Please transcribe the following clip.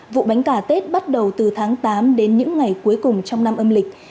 vụ bánh gà tết bắt đầu từ tháng tám đến những ngày cuối cùng trong năm âm lịch